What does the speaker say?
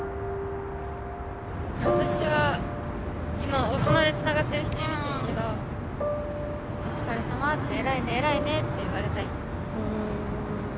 私は今大人でつながってる人いるんですけど「お疲れさま」って「偉いね偉いね」って言われたい。